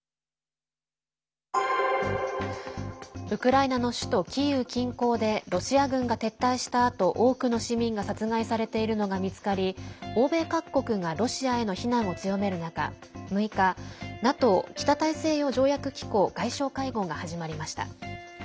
ウクライナの首都キーウ近郊でロシア軍が撤退したあと多くの市民が殺害されているのが見つかり欧米各国がロシアへの非難を強める中、６日ＮＡＴＯ＝北大西洋条約機構外相会合が始まりました。